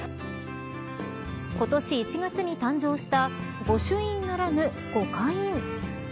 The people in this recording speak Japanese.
今年１月に誕生した御朱印ならぬ御菓印。